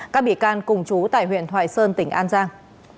các bị can cùng chú tại huyện thoại sơn tỉnh an giang